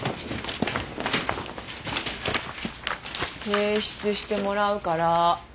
提出してもらうから。